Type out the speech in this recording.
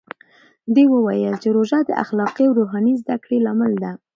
ده وویل چې روژه د اخلاقي او روحاني زده کړې لامل ده.